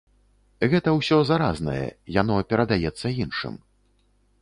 Гэта ўсё заразнае, яно перадаецца іншым.